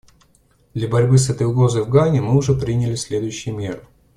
Для борьбы с этой угрозой в Гане мы уже приняли следующие меры.